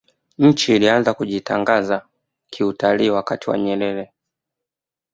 nchi ilianza kujitangaza kiutalii wakati wa nyerere